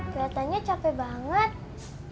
keliatannya capek banget